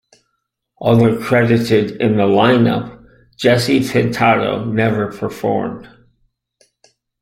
Although credited in the line-up, Jesse Pintado never performed.